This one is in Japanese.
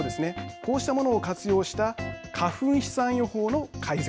こうしたものを活用した花粉飛散予報の改善